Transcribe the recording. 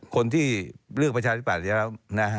คนที่เลือกประชาธิปัตย์แล้วนะฮะ